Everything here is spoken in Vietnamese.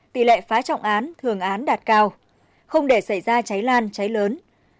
tỷ lệ phá trọng án thường án đạt cao không để xảy ra cháy lan cháy lớn